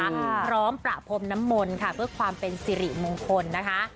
พร้อมประพรมน้ำมนต์ค่ะเพื่อความเป็นสิริมงคลนะคะ